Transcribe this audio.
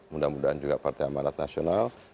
mudah mudahan juga partai amanat nasional